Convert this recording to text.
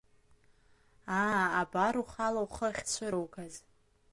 Аа, абар, ухала ухы ахьцәыругаз…